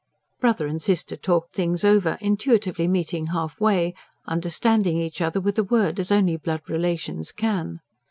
Brother and sister talked things over, intuitively meeting half way, understanding each other with a word, as only blood relations can.